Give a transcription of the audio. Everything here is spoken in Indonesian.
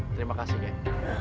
terima kasih kakek